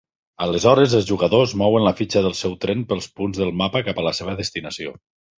Aleshores els jugadors mouen la fitxa del seu tren pels punts del mapa cap a la seva destinació.